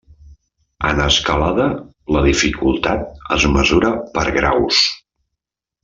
En escalada la dificultat es mesura per graus.